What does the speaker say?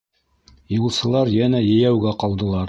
Юлсылар йәнә йәйәүгә ҡалдылар.